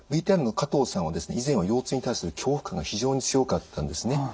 ＶＴＲの加藤さんは以前は腰痛に対する恐怖感が非常に強かったんですね。